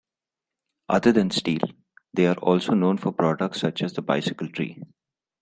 Other than steel, they are also known for products such as the bicycle tree.